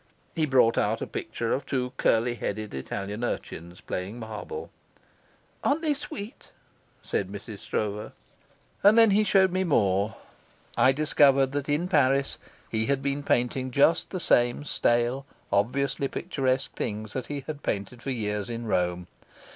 He brought out a picture of two curly headed Italian urchins playing marbles. "Aren't they sweet?" said Mrs. Stroeve. And then he showed me more. I discovered that in Paris he had been painting just the same stale, obviously picturesque things that he had painted for years in Rome.